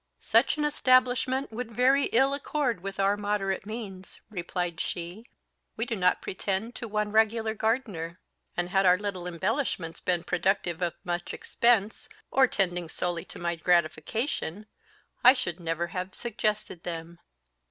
"Such an establishment would very ill accord with our moderate means," replied she; "we do not pretend to one regular gardener; and had our little embellishments been productive of much expense, or tending solely to my gratification, I should never have suggested them.